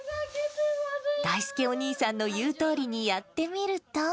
だいすけお兄さんの言うとおりにやってみると。